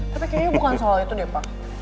tapi kayaknya bukan soal itu deh pak